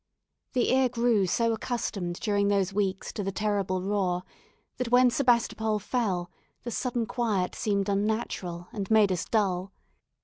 The ear grew so accustomed during those weeks to the terrible roar, that when Sebastopol fell the sudden quiet seemed unnatural, and made us dull.